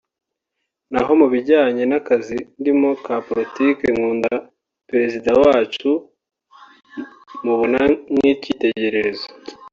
naho mu bijyanye n’akazi ndimo ka Politike nkunda Perezida wacu mubona nk’icyitegererezo